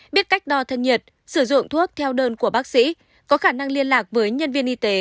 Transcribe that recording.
biết cách đo thân nhiệt sử dụng thuốc theo đơn của bác sĩ có khả năng liên lạc với nhân viên y tế